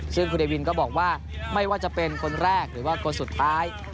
ซึ่งคุณเดวินก็บอกว่าไม่ว่าจะเป็นคนแรกหรือว่าคนสุดท้าย